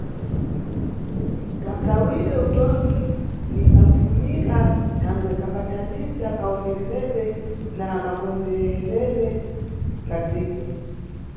Kagawidwe Utongi ni kakufunika thangwe kambathandiza kawonereredwe na kakonzekeredwe ka dziko.